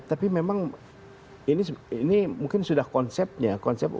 tapi memang ini mungkin sudah konsepnya